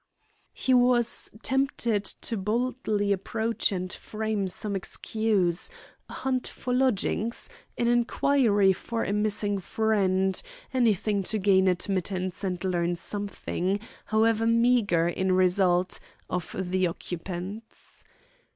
He was tempted to boldly approach and frame some excuse a hunt for lodgings, an inquiry for a missing friend, anything to gain admittance and learn something, however meagre in result, of the occupants.